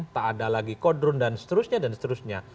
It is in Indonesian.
tak ada lagi kodrun dan seterusnya dan seterusnya